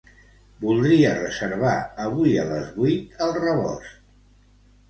Voldria reservar avui a les vuit al Rebost.